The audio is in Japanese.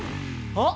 あっ！